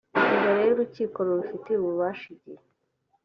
imbere y urukiko rubifitiye ububasha igihe